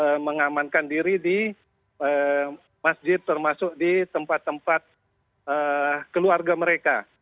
mereka mengamankan diri di masjid termasuk di tempat tempat keluarga mereka